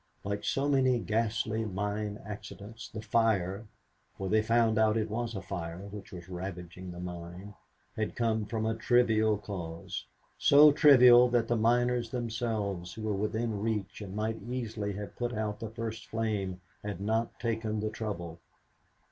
Like so many ghastly mine accidents, the fire, for they found out it was fire which was ravaging the mine, had come from a trivial cause, so trivial that the miners themselves who were within reach and might easily have put out the first flame had not taken the trouble.